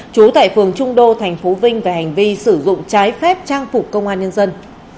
trú tại phường trung đô tp vinh về hành vi sử dụng trái phép trang phục công an nhân dân